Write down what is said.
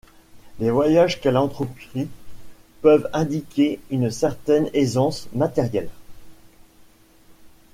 Les voyages qu’elle entreprit peuvent indiquer une certaine aisance matérielle.